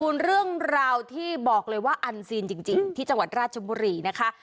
เรื่องราวที่บอกเลยว่าอันซีนจริงที่จังหวัดราชบุรีนะคะ